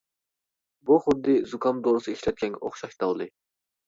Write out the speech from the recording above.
بۇ خۇددى زۇكام دورىسى ئىشلەتكەنگە ئوخشاش داۋلى.